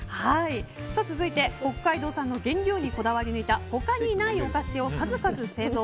続いて、北海道産の原料にこだわり抜いた他にないお菓子を数々製造。